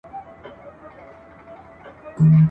نظامونه هم په دغه رنګ چلیږي !.